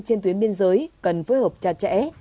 trên tuyến biên giới cần phối hợp chặt chẽ